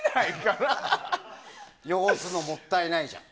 汚すのもったいないじゃん。